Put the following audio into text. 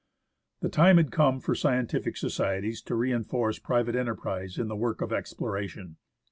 The time had come for scientific societies to reinforce private enterprise in the work of exploration.